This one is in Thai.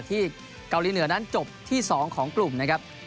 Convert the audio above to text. ที่เกาหลีเหนือนั้นจบที่๒ของกลุ่มนะครับ